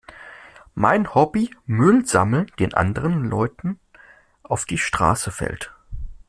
Mein Hobby? Müll sammeln, den anderen Leuten auf die Straße fällt.